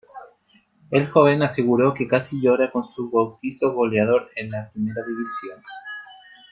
El joven aseguró que casi llora con su bautizó goleador en la Primera División.